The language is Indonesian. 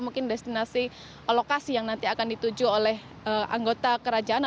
mungkin destinasi lokasi yang nanti akan dituju oleh anggota kerajaan